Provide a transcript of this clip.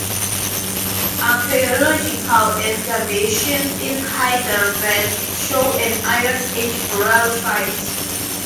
Archaeological excavations in Hyderabad show an Iron Age burial site.